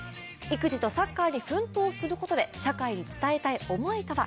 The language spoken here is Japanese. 育児とサッカーに奮闘することで社会に伝えたい思いとは。